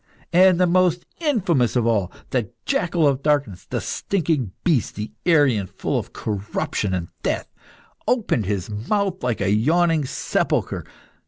And the most infamous of all, the jackal of darkness, the stinking beast, the Arian full of corruption and death, opened his mouth like a yawning sepulchre.